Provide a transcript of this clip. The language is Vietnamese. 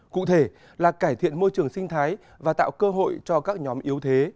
cụ thể là cải thiện môi trường sinh thái và tạo cơ hội cho các nhóm yếu thế